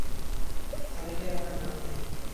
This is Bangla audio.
তালিকায় তোমার নাম নেই।